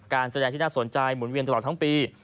การแสดงที่น่าสนใจหมุนเวียนตลอดทั้งปี